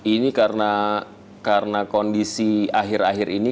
ini karena kondisi akhir akhir ini